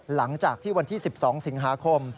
หลังจากที่วันที่๑๒สิงหาคม